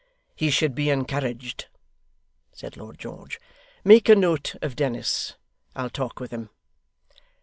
'He should be encouraged,' said Lord George. 'Make a note of Dennis. I'll talk with him.